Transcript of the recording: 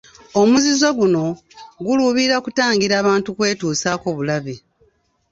Omuzizo guno guluubirira kutangira bantu kwetuusaako bulabe.